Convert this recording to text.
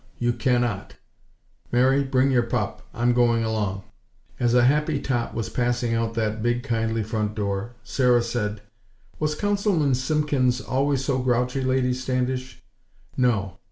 _ You cannot! Mary, bring your pup; I'm going along." As a happy tot was passing out that big, kindly front door, Sarah said: "Was Councilman Simpkins always so grouchy, Lady Standish?" "No.